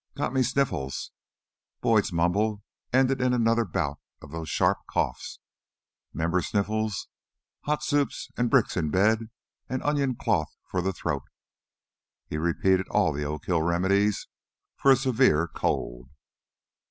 "Got ... me ... sniffles." Boyd's mumble ended in another bout of those sharp coughs. "'Member sniffles? Hot soup an' bricks in bed, an' onion cloth for the throat...." He repeated all the Oak Hill remedies for a severe cold.